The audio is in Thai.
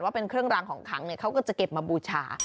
ว่าเป็นเครื่องรางของขังเขาก็จะเก็บมาบูชา